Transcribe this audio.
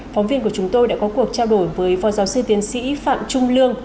phóng viên của chúng tôi đã có cuộc trao đổi với phó giáo sư tiến sĩ phạm trung lương